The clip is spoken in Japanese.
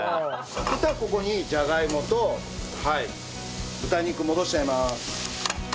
そしたらここにじゃがいもと豚肉戻しちゃいます。